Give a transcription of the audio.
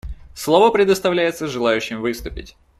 Слово предоставляется желающим выступить.